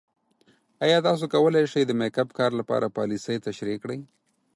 ایا تاسو کولی شئ د میک اپ کار لپاره پالیسۍ تشریح کړئ؟